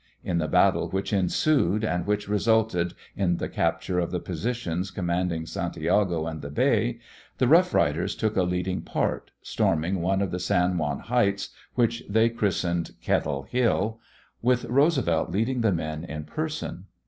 In the battle which ensued and which resulted in the capture of the positions commanding Santiago and the bay, the Rough Riders took a leading part, storming one of the San Juan heights, which they christened Kettle Hill, with Roosevelt leading the men in person.